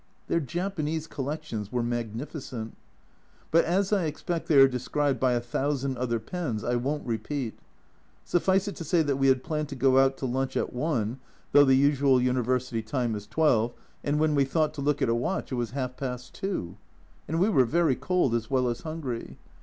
Their Japanese collections were magnificent. But as I expect they are described by a thousand other pens, I won't repeat. Suffice it to say that we had planned to go out to lunch at i, though the usual University time is 12, and when we thought to look at a watch it was half past two ! and we were very cold as well as hungry.